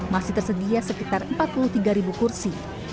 masih tersedia sekitar empat puluh tiga kursi